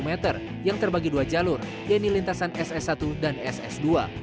satu ratus tiga puluh meter yang terbagi dua jalur yang di lintasan ss satu dan ss dua